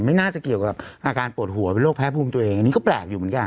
ไม่น่าจะเกี่ยวกับอาการปวดหัวเป็นโรคแพ้ภูมิตัวเองอันนี้ก็แปลกอยู่เหมือนกัน